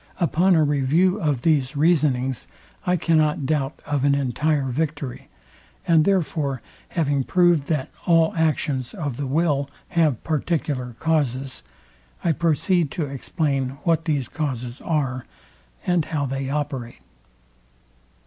Upon a review of these reasonings, I cannot doubt of an entire victory; and therefore having proved, that all actions of the will have particular causes, I proceed to explain what these causes are, and how they operate.